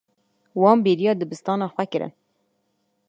Wan bêriya dibistana xwe kirin.